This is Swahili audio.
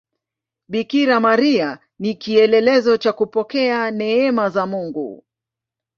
Bikira Maria ni kielelezo cha kupokea neema za Mungu.